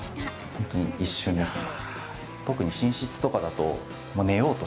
本当に一瞬ですね。